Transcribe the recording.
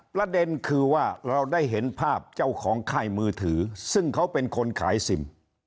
ประเด็นคือว่าเราได้เห็นภาพเจ้าของค่ายมือถือซึ่งเขาเป็นคนขายซิม